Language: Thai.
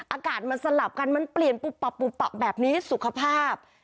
อากาศมันสลับกันมันเปลี่ยนแบบนี้สุขภาพ